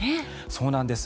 そうなんです。